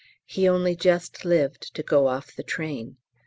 He only just lived to go off the train.